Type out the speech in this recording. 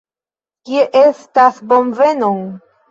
Kie estas bonvenon?